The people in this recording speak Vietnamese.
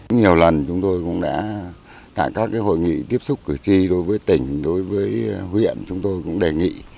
nhiều lần chúng tôi cũng đã tại các hội nghị tiếp xúc cử tri đối với tỉnh đối với huyện chúng tôi cũng đề nghị